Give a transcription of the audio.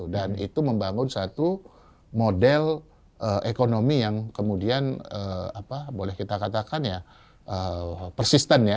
dan itu membangun satu model ekonomi yang kemudian boleh kita katakan ya persisten ya